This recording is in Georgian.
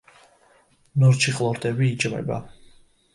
ნორჩი ყლორტები იჭმება.